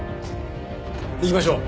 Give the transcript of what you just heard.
行きましょう。